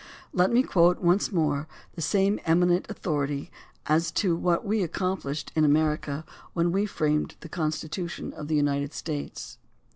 Let me quote once more the same eminent authority as to what we accomplished in America when we framed the Constitution of the United States.